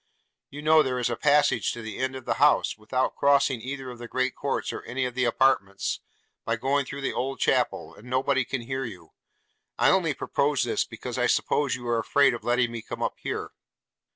You know there is a passage to that end of the house, without crossing either of the great courts or any of the apartments, by going through the old chapel, and nobody can hear you. I only propose this, because I suppose you are afraid of letting me come up here.'